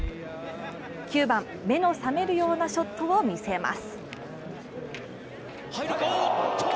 ９番、目の覚めるようなショットを見せます。